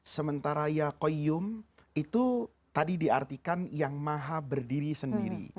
sementara yaqoyum itu tadi diartikan yang maha berdiri sendiri